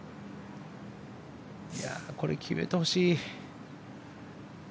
これ、決めてほしい。